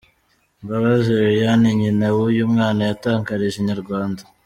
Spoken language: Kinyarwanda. Mbabazi Liliane, nyina w’uyu mwana yatangarije inyarwanda.